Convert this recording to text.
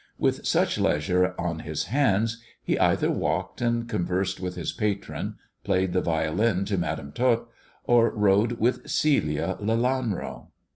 With such leisure on his hands he either walked and conversed with his patron, played the violin to Madam Tot, or rode vnth Celia Lelanro.